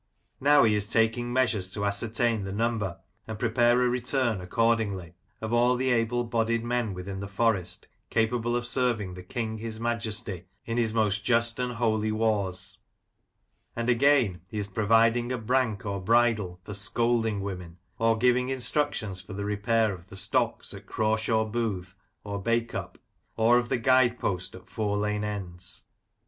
Now he is taking measures to ascertain the number, and prepare a return accordingly, of all the able bodied men within the Forest capable of serving the King his Majesty in " his most just and holy wars ;" and again he is providing a brank or bridle for " scouldinge women," or giving instructions for the repair of the Stocks at Crawshaw booth or Bacup, or of the Guide post at Four lane ends.